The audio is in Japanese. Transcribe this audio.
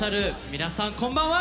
皆さんこんばんは！